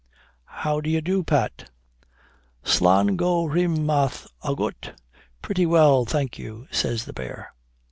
(How d'ye do, Pat?) 'Slan, go raimh math agut!' (Pretty well, thank you,) says the bear.